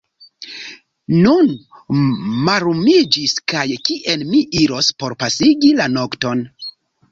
Nun mallumiĝis; kaj kien mi iros por pasigi la nokton?